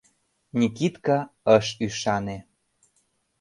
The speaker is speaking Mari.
— Никитка ыш ӱшане.